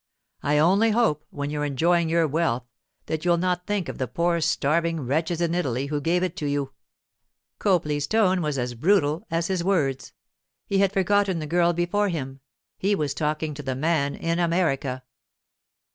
I only hope, when you're enjoying your wealth, that you'll not think of the poor starving wretches in Italy who gave it to you.' Copley's tone was as brutal as his words. He had forgotten the girl before him; he was talking to the man in America.